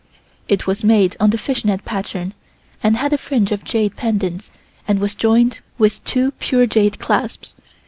It was made on the fish net pattern and had a fringe of jade pendants and was joined with two pure jade clasps.